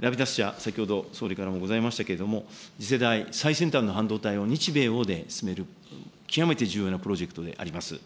ラピダス社、先ほど総理からもございましたけれども、次世代最先端の半導体を日米欧で進める、極めて重要なプロジェクトであります。